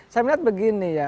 saya melihat begini ya